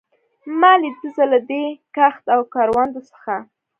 ما لیده، زه له دې کښت او کروندو څخه.